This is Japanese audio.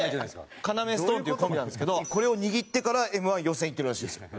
カナメストーンっていうコンビなんですけどこれを握ってからＭ−１予選行ってるらしいですよ。